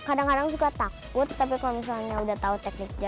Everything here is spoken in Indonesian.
kadang kadang juga takut tapi kalau misalnya udah tahu teknisnya